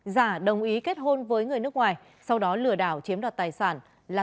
giả đồng ý kết hôn với người nước ngoài sau đó lừa đảo chiếm đoạt tài sản